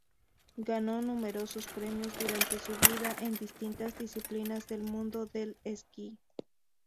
Ganó numerosos premios durante su vida en distintas disciplinas del mundo del esquí.